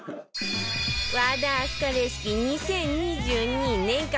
和田明日香レシピ２０２２年間